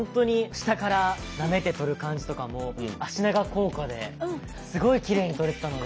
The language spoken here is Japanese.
下からなめて撮る感じとかも脚長効果ですごいきれいに撮れてたので。